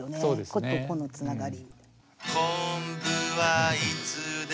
個と個のつながり。